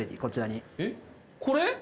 これ？